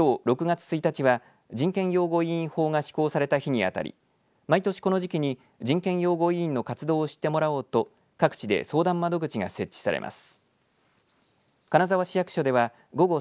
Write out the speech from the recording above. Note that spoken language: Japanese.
きょう６月１日は人権擁護委員法が施行された日に当たり毎年この時期に人権擁護委員の活動を知ってもらおうと各地で相談窓口が設置されます。